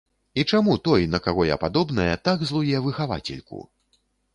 І чаму той, на каго я падобная, так злуе выхавацельку?